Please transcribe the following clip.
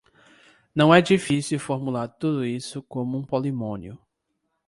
Não é difícil formular tudo isso como um polinômio.